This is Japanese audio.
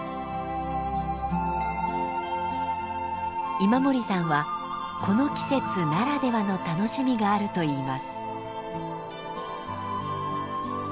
今森さんはこの季節ならではの楽しみがあると言います。